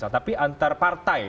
tapi antar partai